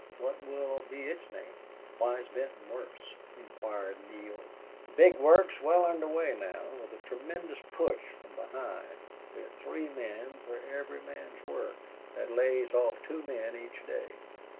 What will be its name?" "Why is Benton worse?" inquired Neale. "The big work is well under way now, with a tremendous push from behind. There are three men for every man's work. That lays off two men each day.